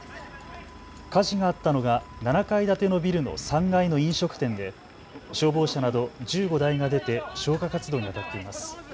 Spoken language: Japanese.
火事があったのが７階建てのビルの３階の飲食店で消防車など１５台が出て消火活動にあたっています。